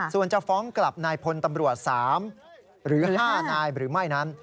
ส่วนจะฟ้องกลับนายพลตำรวจ๓หรือ๕นายหรือไม่นั้น